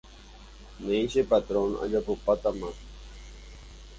Néi che patrón, ajapótama.